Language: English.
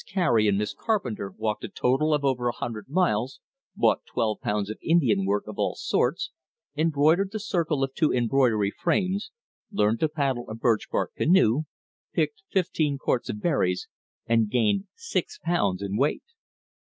Cary and Miss Carpenter walked a total of over a hundred miles, bought twelve pounds of Indian work of all sorts, embroidered the circle of two embroidery frames, learned to paddle a birch bark canoe, picked fifteen quarts of berries, and gained six pounds in weight.